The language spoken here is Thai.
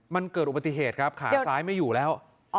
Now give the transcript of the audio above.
มันเกิดอุบัติเหตุครับขาซ้ายไม่อยู่แล้ว